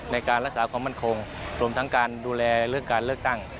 ในการรักษาความมั่นคงรวมทั้งการดูแลเรื่องการเลือกตั้ง